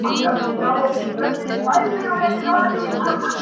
• د چا خبرو ته به غوږ نه نيسو.